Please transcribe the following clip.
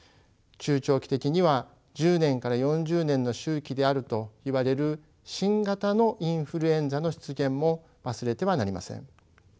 中長期的には１０年から４０年の周期であるといわれる新型のインフルエンザの出現も忘れてはなりません。